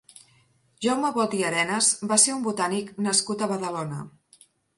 Jaume Bot i Arenas va ser un botànic nascut a Badalona.